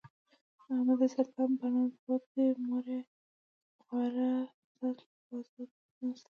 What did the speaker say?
احمد د سرطان په رنځ پروت دی، مور خواره یې تل بازوته ناسته ده.